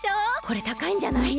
これたかいんじゃない？